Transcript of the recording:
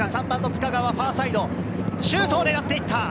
３番の塚川、ファーサイド、シュートを狙っていった。